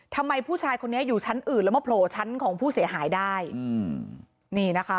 ทำไมผู้ชายคนนี้อยู่ชั้นอื่นแล้วมาโผล่ชั้นของผู้เสียหายได้อืมนี่นะคะ